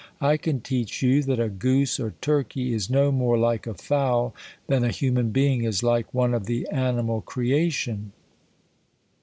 I can teach you, that a goose, or turkey, is no more like a fowl, than a human being is like one of the animal creation